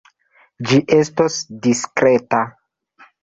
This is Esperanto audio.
Ĝi estos diskreta.